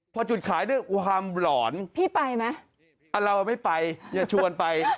พอจุดขายเนี่ยความหล่อนพี่ไปไหมเราไม่ไปชวนไป